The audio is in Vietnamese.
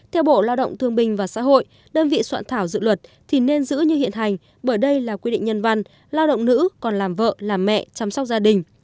theo bộ lao động thương binh và xã hội đơn vị soạn thảo dự luật thì nên giữ như hiện hành bởi đây là quy định nhân văn lao động nữ còn làm vợ làm mẹ chăm sóc gia đình